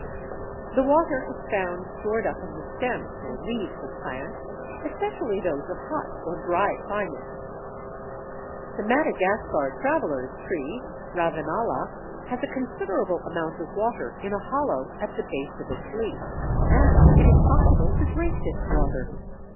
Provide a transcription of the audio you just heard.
The water is found stored up in the stems or leaves of plants, especially those of hot or dry climates. The Madagascar Traveller's Tree, Ravenala, has a considerable amount of water in a hollow at the base of its leaf, and it is possible to drink this water.